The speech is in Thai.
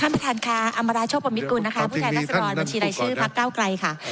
ท่านประธานคาอำาราชบมิตรกุลนะคะผู้แทนรัฐสภาบัญชีได้ชื่อพเก้าไกรค่ะ